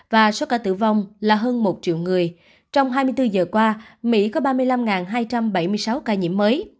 và số ca tử vong là hơn một triệu người trong hai mươi bốn giờ qua mỹ có ba mươi năm hai trăm bảy mươi sáu ca nhiễm mới